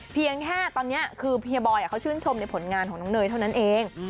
เพียงแค่ตอนนี้คือเฮียบอยเขาชื่นชมในผลงานของน้องเนยเท่านั้นเอง